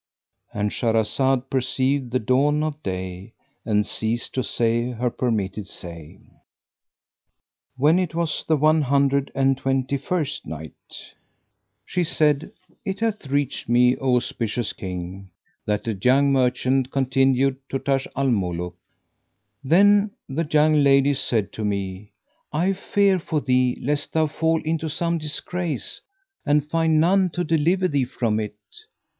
"—And Shahrazad perceived the dawn of day and ceased to say her permitted say. When it was the One Hundred and Twenty first Night, She said, It hath reached me, O auspicious King, that the young merchant continued to Taj al Muluk: "Then the young lady said to me, "I fear for thee lest thou fall into some disgrace and find none to deliver thee from it.